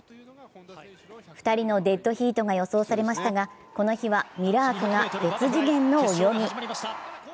２人のデッドヒートが予想されましたがこの日はミラークが別次元の泳ぎ。